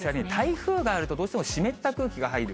台風となると、どうしても湿った空気が入る。